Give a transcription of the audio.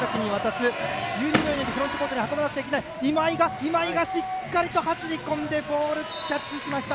今井がしっかりと走りこんでボールキャッチしました！